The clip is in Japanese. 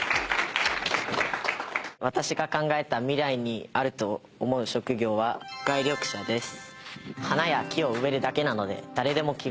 私が考えた未来にあると思う職業は街緑者です。